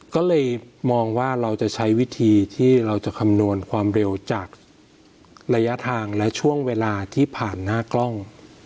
ก็เลยมองว่าเราจะใช้วิธีที่เราจะคำนวณความเร็วจากระยะทางและช่วงเวลาที่ผ่านหน้ากล้อง